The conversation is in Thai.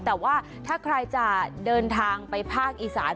แต่ว่าถ้าใครจะเดินทางไปภาคอีสาน